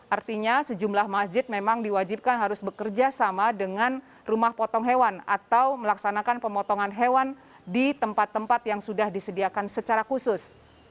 artinya sejumlah masjid memang diwajibkan harus bekerja sama dengan rumah potong hewan atau melaksanakan pemotongan hewan di tempat tempat yang sudah disediakan secara khusus